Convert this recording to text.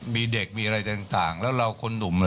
มีเด็กมีอะไรต่างแล้วเราคนหนุ่ม